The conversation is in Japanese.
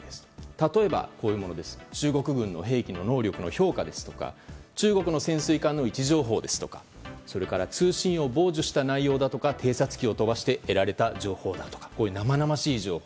例えば、中国軍の兵器の能力の評価ですとか中国の潜水艦の位置情報ですとかそれから通信を傍受した内容や偵察機を飛ばして得られた情報だとか生々しい情報。